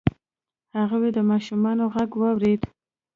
هغوی د ماشومانو غږ واورید.